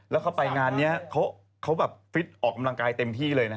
แล้วเขาไปงานนี้เขาแบบฟิตออกกำลังกายเต็มที่เลยนะ